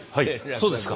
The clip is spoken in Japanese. そうですか。